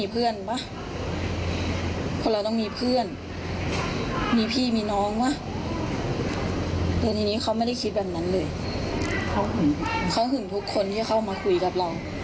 เขาหึงทุกคนที่เข้ามาคุยกับเรา